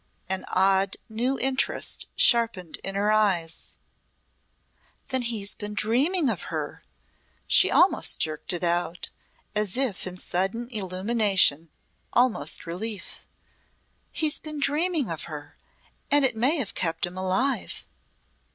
An odd new interest sharpened in her eyes. "Then he's been dreaming of her." She almost jerked it out as if in sudden illumination almost relief. "He's been dreaming of her ! And it may have kept him alive."